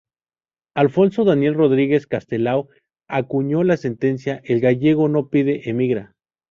Alfonso Daniel Rodríguez Castelao acuñó la sentencia "el gallego no pide, emigra".